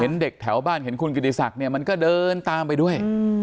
เห็นเด็กแถวบ้านเห็นคุณกิดิสักมันก็เดินตามไปด้วย